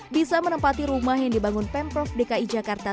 bisa menempati rumah yang dibangun pemprov dki jakarta